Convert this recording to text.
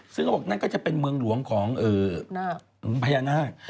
ซึ่งเขาบอกนั่นก็จะเป็นเมืองหลวงของพญานาค